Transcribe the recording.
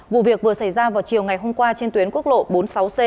vụ việc vừa xảy ra vào chiều ngày hôm qua trên tuyến quốc lộ bốn mươi sáu c